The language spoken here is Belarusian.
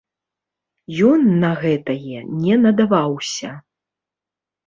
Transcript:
Ён на гэтае не надаваўся.